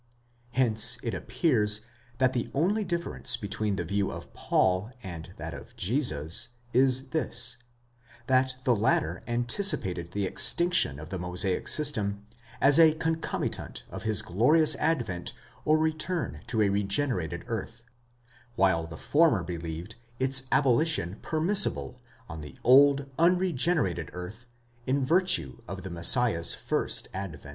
Hence it appears, that the only difference between the view of Paul and that of Jesus is this: that the latter antici pated the extinction of the Mosaic system as a concomitant of his glorious advent or return to the regenerated earth, while the former believed its abolition permissible on the old, unregenerated earth, in virtue of the Messiah's tirst advent.